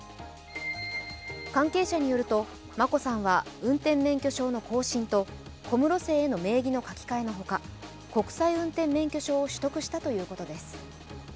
関係者によると眞子さんは運転免許証の更新と小室姓への名義変更の書き換えの他国際運転免許証を取得したということです。